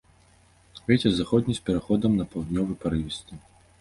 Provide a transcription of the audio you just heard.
Вецер заходні з пераходам на паўднёвы, парывісты.